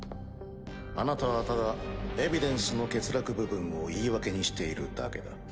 あなたはただエビデンスの欠落部分を言い訳にしているだけだ。